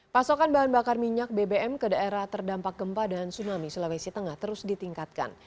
pasokan bahan bakar minyak bbm ke daerah terdampak gempa dan tsunami sulawesi tengah terus ditingkatkan